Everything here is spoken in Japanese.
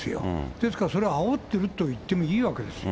ですからそれ、あおってるといってもいいわけですよ。